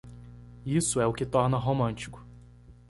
Isso é o que torna romântico.